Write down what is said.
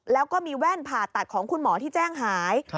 แล้วก็มีแว่นผ่าตัดของคุณหมอที่แจ้งหาย